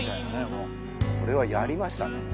もうこれはやりましたね